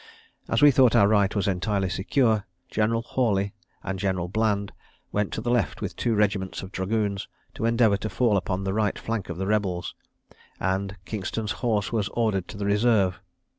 As we thought our right entirely secure, General Hawley and General Bland went to the left with two regiments of dragoons, to endeavour to fall upon the right flank of the rebels; and Kingston's horse was ordered to the reserve.